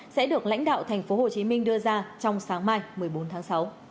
sẽ được lãnh đạo tp hcm đưa ra trong sáng mai một mươi bốn tháng sáu